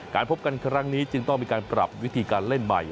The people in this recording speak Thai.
พบกันครั้งนี้จึงต้องมีการปรับวิธีการเล่นใหม่